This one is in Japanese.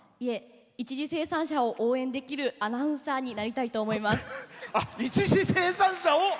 一次生産者を応援できるアナウンサーになりたいと思います。